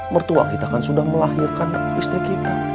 mertua kita kan sudah melahirkan istri kita